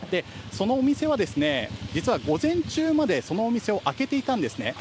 そのお店は実は午前中までそのお店を開けていたんですね。